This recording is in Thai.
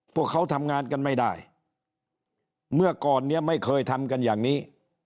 พวกเขาทำงานกันไม่ได้เมื่อก่อนเนี่ยไม่เคยทำกันอย่างนี้